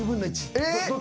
えっ？